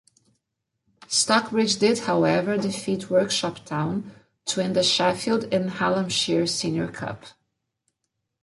Stocksbridge did, however, defeat Worksop Town to win the Sheffield and Hallamshire Senior Cup.